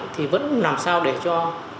thì vẫn làm sao để cho